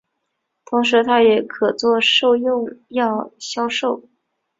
同时它也可作兽用药销售。